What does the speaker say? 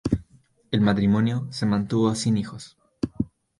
El matrimonio se mantuvo sin hijos.